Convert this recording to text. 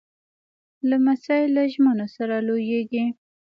لمسی له ژمنو سره لویېږي.